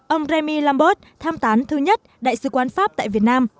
ông rémi lambert tham tán thứ nhất đại sứ quan pháp tại việt nam